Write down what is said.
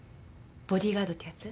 「ボディーガード」ってやつ？